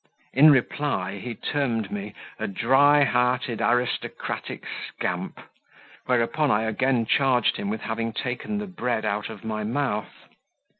In reply he termed me "a dry hearted aristocratic scamp," whereupon I again charged him with having taken the bread out of my mouth.